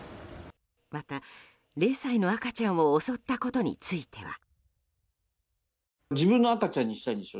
また、０歳の赤ちゃんを襲ったことについては。